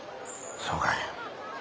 そうかい。